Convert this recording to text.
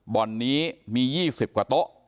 บ่อนนี้มียี่สิบกว่าโต๊ะ